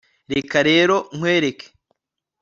reka rero nkwereke